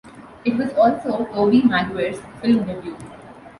It was also Tobey Maguire's film debut.